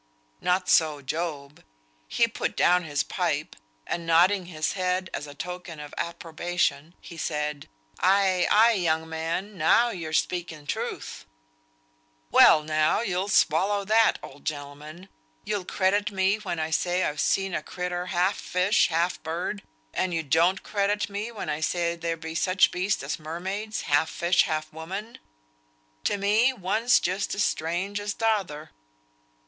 Not so Job. He put down his pipe, and nodding his head as a token of approbation, he said "Ay, ay! young man. Now you're speaking truth." "Well now! you'll swallow that, old gentleman. You'll credit me when I say I've seen a crittur half fish, half bird, and you won't credit me when I say there be such beasts as mermaids, half fish, half woman. To me, one's just as strange as t'other."